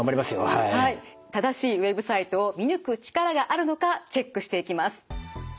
正しいＷＥＢサイトを見抜く力があるのかチェックしていきます。